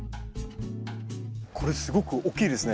これすごく大きいですね。